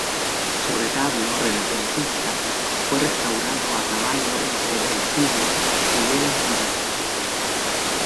Su retablo, renacentista, fue restaurado a caballo entre el siglo y el en Burgos.